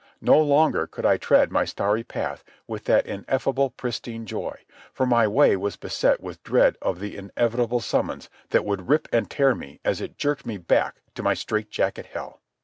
No longer could I tread my starry path with that ineffable pristine joy, for my way was beset with dread of the inevitable summons that would rip and tear me as it jerked me back to my strait jacket hell.